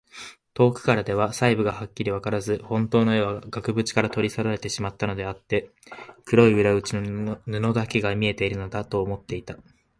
遠くからでは細部がはっきりわからず、ほんとうの絵は額ぶちから取り去られてしまったのであって、黒い裏打ちの布だけが見えているのだ、と思っていた。